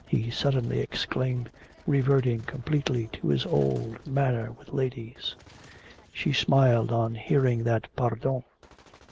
he suddenly exclaimed, reverting completely to his old manner with ladies. She smiled on hearing that PARDON.